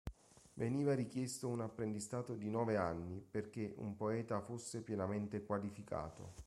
Veniva richiesto un apprendistato di nove anni perché un poeta fosse pienamente qualificato.